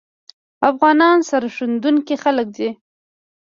افغانان سرښندونکي خلګ دي